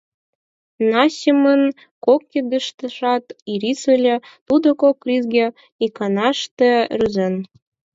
Насимын кок кидыштыжат ирис ыле, тудо кок крисге иканаште рӱзен.